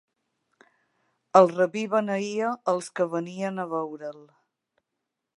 El rabí beneïa als que venien a veure'l.